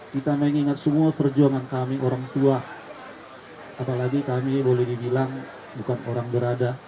kita mengingat semua perjuangan kami orang tua apalagi kami boleh dibilang bukan orang berada